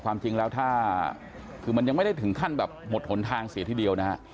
ความจริงแล้วถ้าคือมันยังไม่ได้ถึงขั้นแบบหมดหนทางเสียทีเดียวนะฮะ